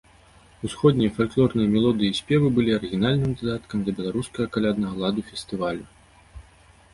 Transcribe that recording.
Усходнія фальклорныя мелодыі і спевы былі арыгінальным дадаткам да беларускага каляднага ладу фестывалю.